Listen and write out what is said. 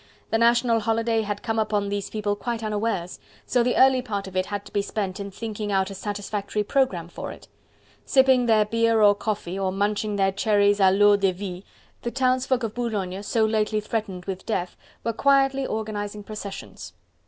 The national holiday had come upon these people quite unawares, so the early part of it had to be spent in thinking out a satisfactory programme for it. Sipping their beer or coffee, or munching their cherries a l'eau de vie, the townsfolk of Boulogne, so lately threatened with death, were quietly organizing processions.